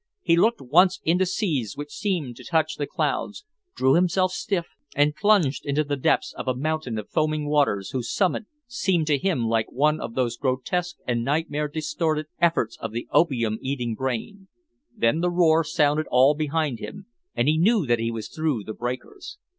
He looked once into seas which seemed to touch the clouds, drew himself stiff, and plunged into the depths of a mountain of foaming waters, whose summit seemed to him like one of those grotesque and nightmare distorted efforts of the opium eating brain. Then the roar sounded all behind him, and he knew that he was through the breakers.